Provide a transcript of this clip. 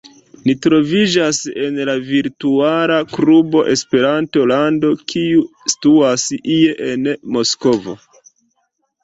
Ni troviĝas en la virtuala klubo “Esperanto-lando, kiu situas ie en Moskvo.